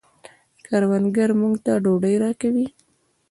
کروندګر موږ ته ډوډۍ راکوي